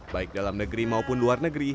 baik dalam negeri maupun luar negeri